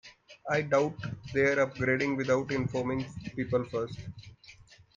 I doubt they're upgrading without informing people first.